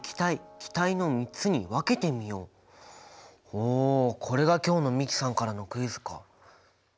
おこれが今日の美樹さんからのクイズか。